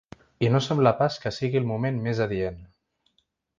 I no sembla pas que sigui el moment més adient.